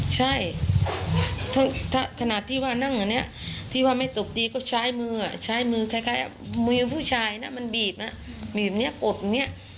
ใช่ถ้าขนาดที่ว่านั่งอันนี้ที่ว่าไม่ตบตีก็ใช้มือใช้มือคล้ายมือผู้ชายนะมันบีบนะบีบนี้อดอย่างนี้